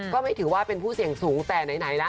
ก็ไม่ถือว่าเป็นผู้เสี่ยงสูงแต่ไหนนะ